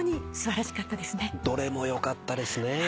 どれもよかったですね。